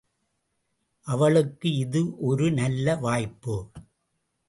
அவளுக்கு இது ஒரு நல்ல வாய்ப்பு.